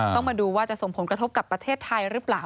ต้องมาดูว่าจะส่งผลกระทบกับประเทศไทยหรือเปล่า